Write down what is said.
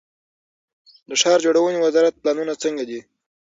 د ښار جوړونې وزارت پلانونه څنګه دي؟